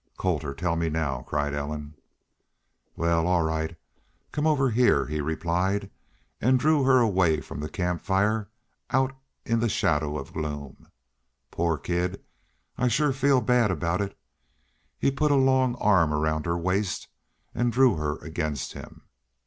"Colter tell me now," cried Ellen. "Wal, all right. Come over heah," he replied, and drew her away from the camp fire, out in the shadow of gloom. "Poor kid! I shore feel bad aboot it." He put a long arm around her waist and drew her against him.